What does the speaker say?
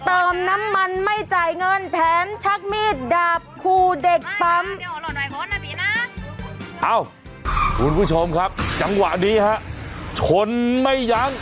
เอ้าคุณผู้ชมครับจังหวะนี้ครับชนไม่ยัง